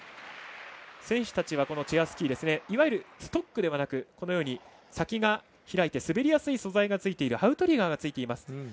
選手たちはチェアスキーいわゆるストックではなく先が開いて滑りやすい素材がついたアウトリガーを持っています。